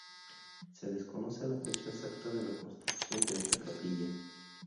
Se desconoce la fecha exacta de la construcción de esta capilla.